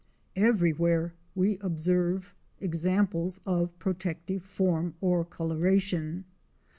Everywhere we observe examples of protective form or coloration.